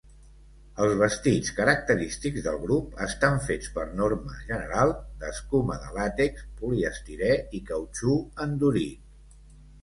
Els vestits característics del grup estan fets per norma general d'escuma de làtex, poliestirè i cautxú endurit.